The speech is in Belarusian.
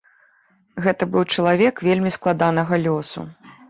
Гэта быў чалавек вельмі складанага лёсу.